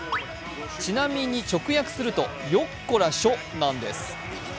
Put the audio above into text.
ちなみに直訳すると「よっこらしょ」なんです。